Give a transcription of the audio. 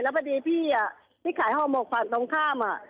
แล้วพอดีพี่อ่ะที่ขายห้อหมกฝั่งตรงข้ามอ่ะ